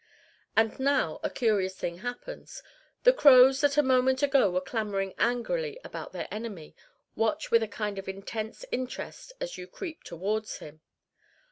And now a curious thing happens. The crows, that a moment ago were clamoring angrily about their enemy, watch with a kind of intense interest as you creep towards him.